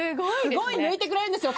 すごい抜いてくれるんですよ